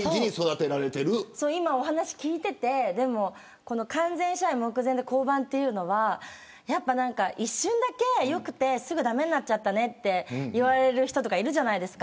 今、お話聞いてて完全試合目前で降板というのはやっぱり一瞬だけ良くてすぐ駄目になっちゃったねって言われる人とかいるじゃないです